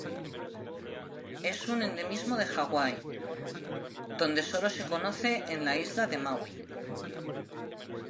Es un endemismo de Hawaii, donde solo se conoce en la isla de Maui.